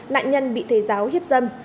nạn nhân bị thầy giáo hiếp dâm